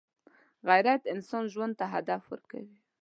غیرت انسان ژوند ته هدف ورکوي